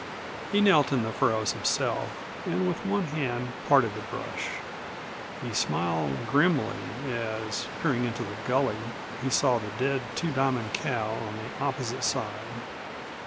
He knelt in the furrows himself and with one hand parted the brush. He smiled grimly as, peering into the gully, he saw the dead Two Diamond cow on the opposite side.